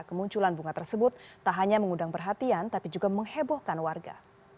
kemunculan bunga tersebut tak hanya mengundang perhatian tapi juga menghebohkan warga